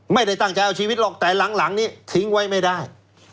ไม่ได้ตั้งใจเอาชีวิตหรอกแต่หลังนี้ทิ้งไว้ไม่ได้